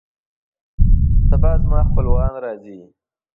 سبا زما خپلوان راځي